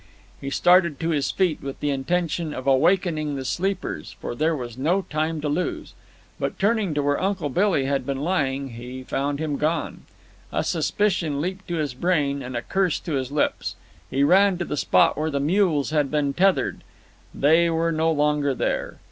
He started to his feet with the intention of awakening the sleepers, for there was no time to lose. But turning to where Uncle Billy had been lying, he found him gone. A suspicion leaped to his brain and a curse to his lips. He ran to the spot where the mules had been tethered; they were no longer there.